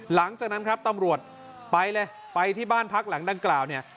หลังจากนั้นครับตำรวจไปเลยไปที่บ้านพักหลังดังกล่าวเนี่ย